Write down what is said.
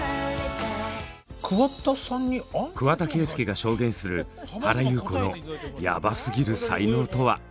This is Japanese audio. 桑田佳祐が証言する原由子のヤバすぎる才能とは？